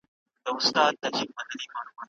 تاریخي بدلونونه باید په نرمه توګه رامنځته سي.